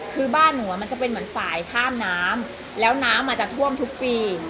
คือบ้านหนูมันจะเป็นเหมือนฝ่ายข้ามน้ำแล้วน้ำอาจจะท่วมทุกปี